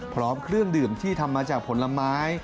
พร้อมเครื่องดื่มที่ทำมาจากผลไม้